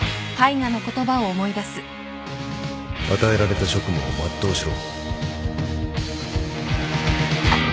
与えられた職務を全うしろ